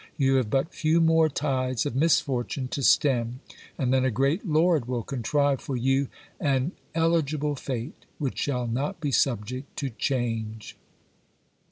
You have but few more tides of misfortune to stem, and then a great lord will contrive for you an eligible fate, which shall not be subject to change.